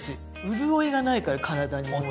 潤いがないから体にもうね。